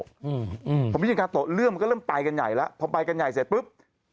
พอมีชื่อของกาโตเรื่องมันก็เริ่มปลายกันใหญ่แล้วพอปลายกันใหญ่เสร็จปุ๊บ